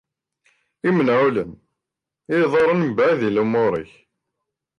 Imenɛulen, i iḍaɛen mebɛid i lumuṛ-ik.